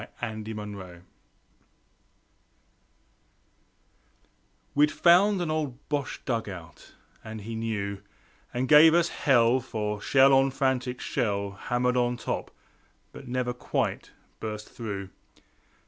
The Sentry We'd found an old Boche dug out, and he knew, And gave us hell, for shell on frantic shell Hammered on top, but never quite burst through.